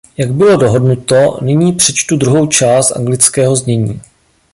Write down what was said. Jak bylo dohodnuto, nyní přečtu druhou část anglického znění.